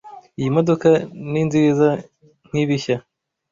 Iyi modoka ninziza nkibishya.